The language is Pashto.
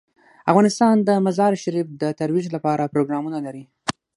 افغانستان د مزارشریف د ترویج لپاره پروګرامونه لري.